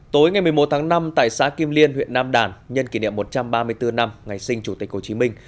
tối ngày một mươi một tháng năm tại xã kim liên huyện nam đản nhân kỷ niệm một trăm ba mươi bốn năm ngày sinh chủ tịch hồ chí minh